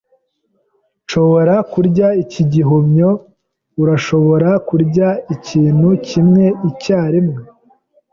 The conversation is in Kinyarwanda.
"Nshobora kurya iki gihumyo?" "Urashobora kurya ikintu kimwe icyarimwe."